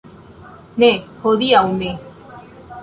Ne, hodiaŭ ne